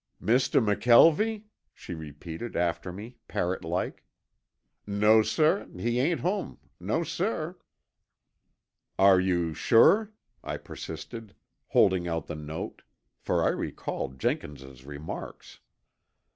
"Mistuh McKelvie?" she repeated after me, parrot like. "No, suh, he ain't home, no, suh." "Are you sure?" I persisted, holding out the note; for I recalled Jenkins' remarks.